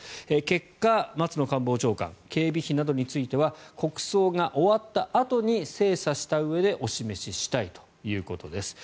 結果、松野官房長官警備などについては国葬が終わったあとに精査したうえでお示ししたいということです。